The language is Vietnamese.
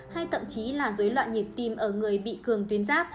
hay thậm chí là dối loạn nhịp tim ở người bị cường tuyến giáp